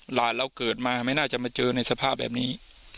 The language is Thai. หลานเราเกิดมาไม่น่าจะมาเจอในสภาพแบบนี้